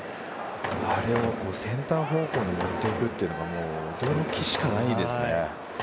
あれをセンター方向に持っていくというのは驚きしかないですね。